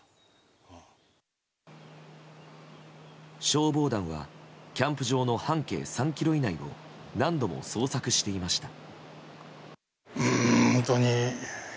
消防団はキャンプ場の半径３ｋｍ以内を何度も捜索していました。